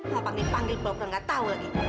mau panggil panggil baru nggak tahu lagi